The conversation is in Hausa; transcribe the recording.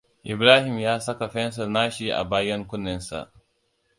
Ibrahim ya saka fensil nashi a bayan kunnen sa.